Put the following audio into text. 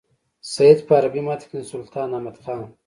سید په عربي متن کې سلطان احمد خان.